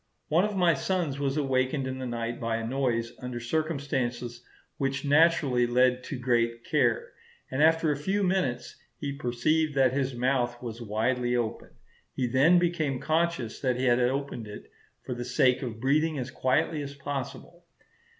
One of my sons was awakened in the night by a noise under circumstances which naturally led to great care, and after a few minutes he perceived that his mouth was widely open. He then became conscious that he had opened it for the sake of breathing as quietly as possible.